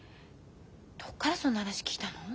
どっからそんな話聞いたの？